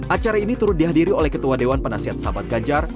acara ini turut dihadiri oleh ketua dewan penasihat sahabat ganjar